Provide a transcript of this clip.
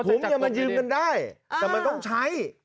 ผมมีมันยืมกันได้แต่มันต้องใช้